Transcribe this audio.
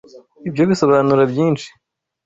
Ibyo bisobanura byinshi.